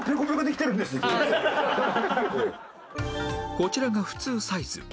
こちらが普通サイズ